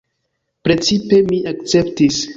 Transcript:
Principe mi akceptis.